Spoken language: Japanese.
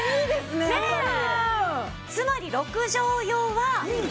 つまり６畳用は。